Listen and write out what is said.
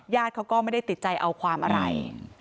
เขาก็ไม่ได้ติดใจเอาความอะไร